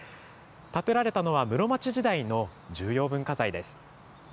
建てられたのは室町時代の重要文化財です。